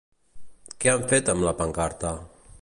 Què han fet amb la pancarta?